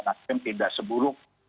nasibnya tidak seburuk